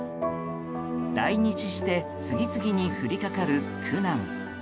来日して次々に降りかかる苦難。